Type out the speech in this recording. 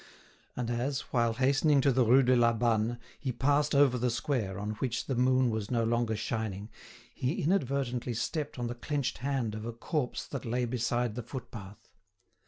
And as, while hastening to the Rue de la Banne, he passed over the square, on which the moon was no longer shining, he inadvertently stepped on the clenched hand of a corpse that lay beside the footpath.